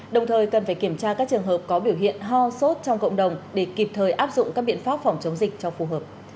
đồng thời cần phải kiểm tra các trường hợp có biểu hiện ho sốt trong cộng đồng để kịp thời áp dụng các biện pháp phòng chống dịch cho phù hợp